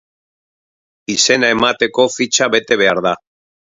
Izena emateko fitxa bete behar da.